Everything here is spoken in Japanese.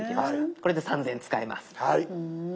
これで３，０００円使えます。